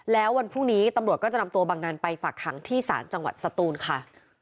แล้ววันพรุ่งนี้ตำรวจก็จะนำตัวบังดันไปฝากขังที่ศาลจังหวัดสตูนค่ะ